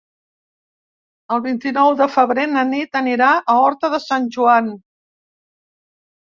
El vint-i-nou de febrer na Nit anirà a Horta de Sant Joan.